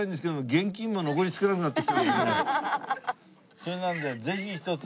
それなのでぜひ一つ。